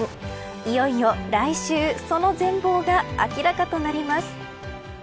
いよいよ、来週その全貌が明らかとなります。